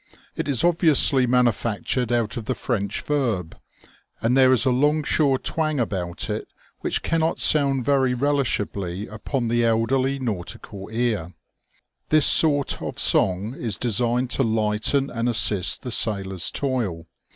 It is obviously manufactured out of the French verb, and there is a longshore twang about it which cannot sound very relishably upon the elderly nautical ear. This sort of song is designed to lighten and assist the sailor's toil.